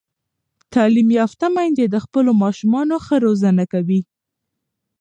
تعلیم یافته میندې د خپلو ماشومانو ښه روزنه کوي.